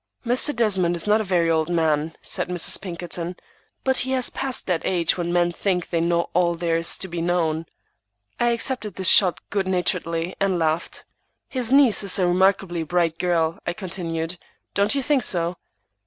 "Mr. Desmond is not a very old man," said Mrs. Pinkerton, "but he has passed that age when men think they know all there is to be known." I accepted this shot good naturedly, and laughed. "His niece is a remarkably bright girl," I continued. "Don't you think so?"